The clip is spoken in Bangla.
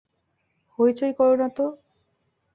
হইচই করো না তো।